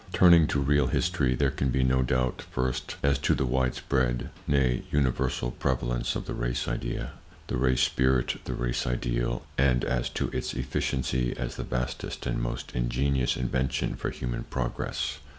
Turning to real history, there can be no doubt, first, as to the widespread, nay, universal, prevalence of the race idea, the race spirit, the race ideal, and as to its efficiency as the vastest and most ingenious invention for human progress.